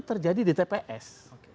terjadi di tps